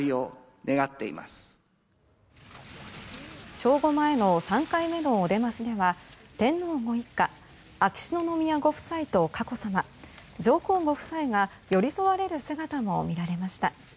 正午前の３回目のお出ましでは天皇ご一家秋篠宮ご夫妻と佳子さま上皇ご夫妻が寄り添われる姿も見られました。